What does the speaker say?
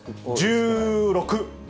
１６？